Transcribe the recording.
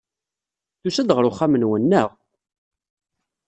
Tusa-d ɣer uxxam-nwen, naɣ?